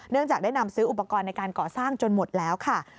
จากได้นำซื้ออุปกรณ์ในการก่อสร้างจนหมดแล้วค่ะ